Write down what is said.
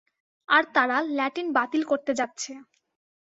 আর তারা ল্যাটিন বাতিল করতে যাচ্ছে।